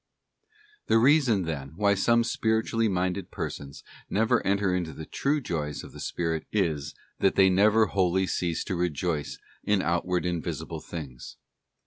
Tue reason, then, why some spiritually minded persons never enter into the true joys of the spirit, is, that they never wholly cease to rejoice in outward and visible things.